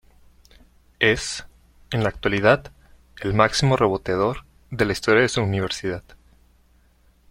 Es, en la actualidad, el máximo reboteador de la historia de su universidad.